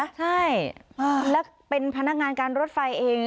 ใช่แล้วเป็นพนักงานการรถไฟเอง